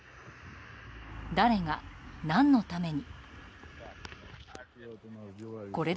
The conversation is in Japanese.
誰が、何のために。